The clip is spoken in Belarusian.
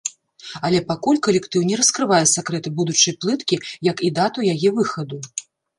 Але пакуль калектыў не раскрывае сакрэты будучай плыткі, як і дату яе выхаду.